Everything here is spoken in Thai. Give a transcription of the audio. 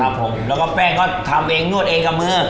ผมแล้วก็แป้งก็ทำเองนวดเองกับมือ